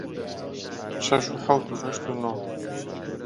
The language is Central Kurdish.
شەش و حەوت و هەشت و نۆ